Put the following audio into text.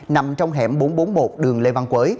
nằm trong hẻm bốn trăm bốn mươi một đường lê văn quế